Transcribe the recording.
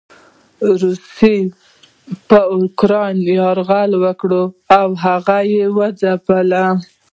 روسيې پر اوکراين يرغل وکړ او هغه یې وځپلو.